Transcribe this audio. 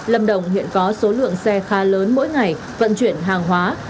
lâm đồng hiện có số lượng xe khá lớn mỗi ngày vận chuyển hàng hóa